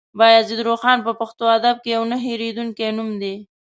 بايزيد روښان په پښتو ادب کې يو نه هېرېدونکی نوم دی.